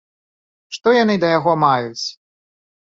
Што яны да яго маюць?